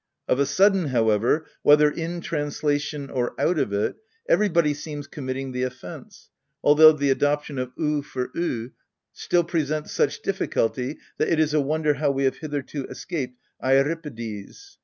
Of a sudden, however, whether in translation or out of it, everybody seems committing the offence, although the adoption of u for v still presents such difficulty that it is a wonder how we have hitherto escaped " Eyripides."